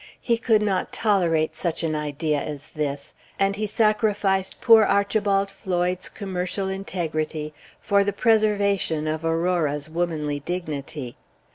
He could not tolerate such an idea as this; and he sacrificed poor Archibald Floyd's commercial integrity for the preservation of Aurora's womanly dignity.